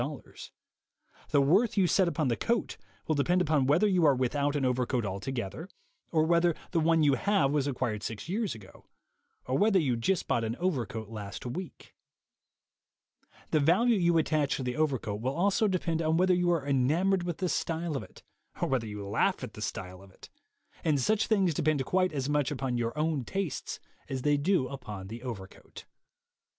The worth you set upon the coat will depend upon whether you are without an overcoat altogether, 48 THE WAY TO WILL POWER or whether the one you have was acquired six years ago, or whether you just bought an over coat last week. The value you attach to the over coat will also depend upon whether you are enamored with the style of it, or whether you laugh at the style of it; and such things depend quite as much upon your own tastes as they do upon the overcoat.